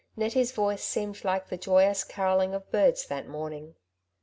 Nettie's voice seemed like the joyous carolling of birds that morning.